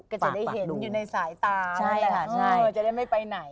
ก็จะได้เห็นอยู่ในสายตาใช่ค่ะจะได้ไม่ไปไหน